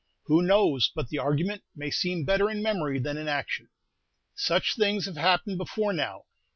Who knows but the argument may seem better in memory than in action? Such things have happened before now."